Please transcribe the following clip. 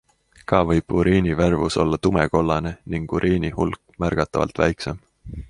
Ka võib uriini värvus olla tumekollane ning uriini hulk märgatavalt väiksem.